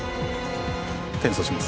転送します。